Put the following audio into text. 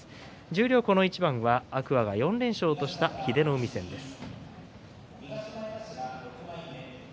十両この一番は天空海が４連勝とした英乃海戦です。